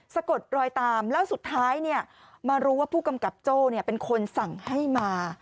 กดรอยตามแล้วสุดท้ายมารู้ว่าผู้กำกับโจ้เป็นคนสั่งให้มา